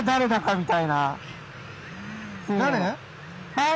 はい？